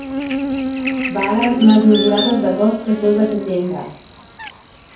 Valen més nuvolades d'agost que sol de setembre.